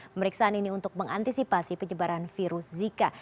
pemeriksaan ini untuk mengantisipasi penyebaran virus zika